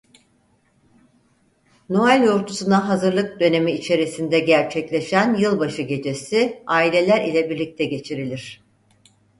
Noel yortusuna hazırlık dönemi içerisinde gerçekleşen yılbaşı gecesi aileler ile birlikte geçirilir.